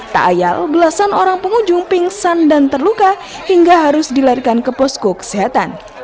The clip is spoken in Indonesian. tak ayal belasan orang pengunjung pingsan dan terluka hingga harus dilarikan ke posko kesehatan